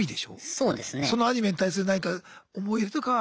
そのアニメに対する何か思い入れとかは。